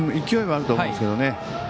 勢いはあると思うんですけどね